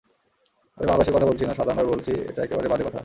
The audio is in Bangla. আমি বাংলাদেশের কথা বলছি না, সাধারণভাবে বলছি, এটা একেবারে বাজে কথা।